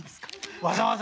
わざわざ。